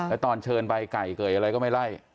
แล้วตอนเชิญใบไก่เกยอะไรก็ไม่ไล่